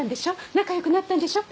仲よくなったんでしょ？